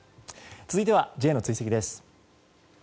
続いてはＪの追跡です。